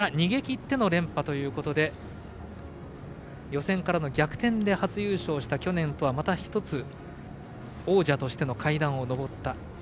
予選トップから逃げ切っての連覇ということで予選からの逆転で初優勝した去年とはまた１つ王者としての階段を上った。